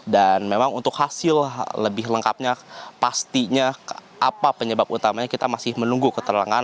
dan memang untuk hasil lebih lengkapnya pastinya apa penyebab utamanya kita masih menunggu keterangan